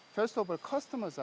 pertama pelanggan berbeda